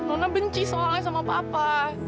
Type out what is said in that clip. nono benci soalnya sama papa